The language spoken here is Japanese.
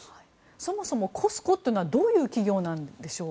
そもそもＣＯＳＣＯというのはどういう企業なんでしょう？